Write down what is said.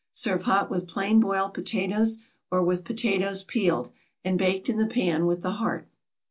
Serve hot with plain boiled potatoes, or with potatoes peeled, and baked in the pan with the heart.